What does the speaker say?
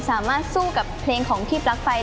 สามารถสู้กับเพลงของทีพปลั๊กไฟ